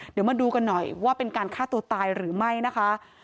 เดี๋ยวมาดูกันหน่อยว่าเป็นการฆ่าตัวตายหรือไม่นะคะ